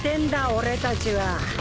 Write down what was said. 俺たちは。